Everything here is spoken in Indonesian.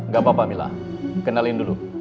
gak apa apa mila kenalin dulu